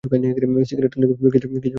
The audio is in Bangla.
সিগারেট টানলে কিছু মবে করবেন না তো?